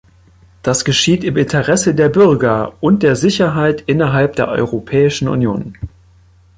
Das geschieht im Interesse der Bürger und der Sicherheit innerhalb der Europäischen Union.